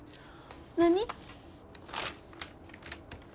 何？